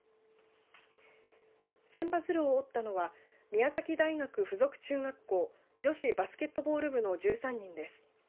千羽鶴を折ったのは宮崎大学附属中学校女子バスケットボール部の１３人です。